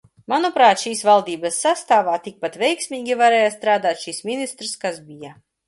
Manuprāt, šīs valdības sastāvā tikpat veiksmīgi varēja strādāt šis ministrs, kas bija.